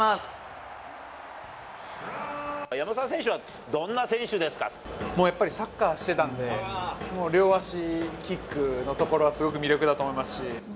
山沢選手は、どんな選手ですやっぱりサッカーしてたんで、両足キックのところはすごく魅力だと思いますし。